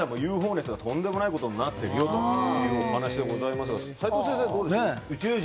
熱がとんでもないことになっているよというお話ですが齋藤先生はどうですか？